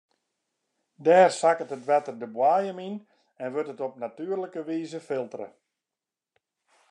Dêr sakket it wetter de boaiem yn en wurdt it op natuerlike wize filtere.